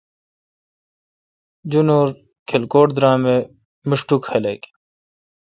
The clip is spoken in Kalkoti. جنور کلکوٹ درام اے میشٹوک خلق۔